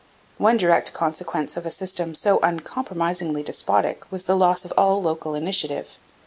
One direct consequence of a system so uncompromisingly despotic was the loss of all local initiative.